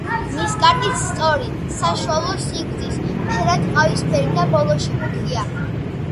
ნისკარტი სწორი, საშუალო სიგრძის, ფერად ყავისფერი და ბოლოში მუქია.